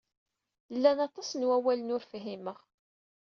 Llan aṭas n wawalen ur fhimeɣ.